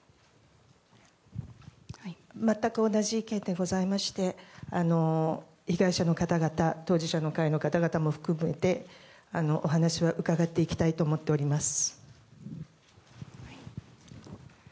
全く同じ意見でございまして被害者の方々当事者の会の方々も含めてお話は伺っていきたいと思っております。